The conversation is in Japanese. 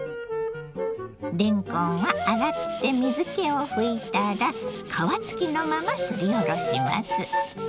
れんこんは洗って水けをふいたら皮付きのまますりおろします。